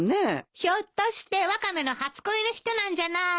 ひょっとしてワカメの初恋の人なんじゃないの？